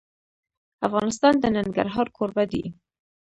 افغانستان د ننګرهار کوربه دی.